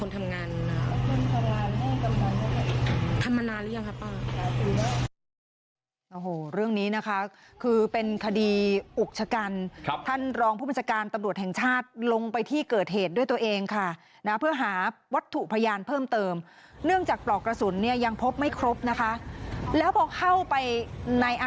ทำมานานหรือยังครับป้า